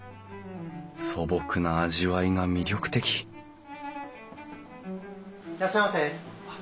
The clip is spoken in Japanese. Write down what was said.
素朴な味わいが魅力的いらっしゃいませ。